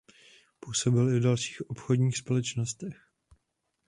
Působil i v dalších obchodních společnostech.